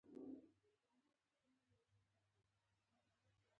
د شونډو لپاره ریښتیا.